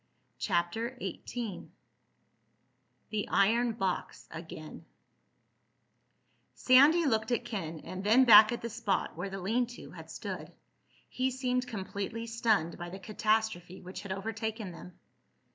CHAPTER XVIII THE IRON BOX AGAIN Sandy looked at Ken, and then back at the spot where the lean to had stood. He seemed completely stunned by the catastrophe which had overtaken them.